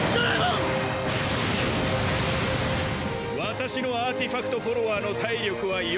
私のアーティファクト・フォロワーの体力は４。